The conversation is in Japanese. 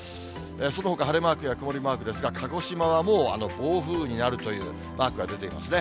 そのほか晴れマークや曇りマークですが、鹿児島はもう暴風雨になるというマークが出ていますね。